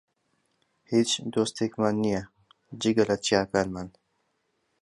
هیچ دۆستێکمان نییە، جگە لە چیاکانمان.